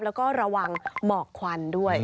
แล้วก็ระวังหมอกควันด้วย